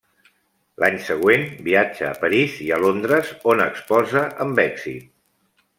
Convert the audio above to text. L'any següent viatja a París i a Londres, on exposa amb èxit.